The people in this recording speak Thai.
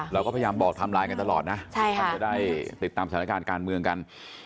เราก็พยายามบอกทำไลน์กันตลอดนะท่านจะได้ติดตามสถานการณ์การเมืองกัน